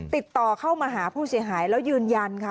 ติดต่อเข้ามาหาผู้เสียหายแล้วยืนยันค่ะ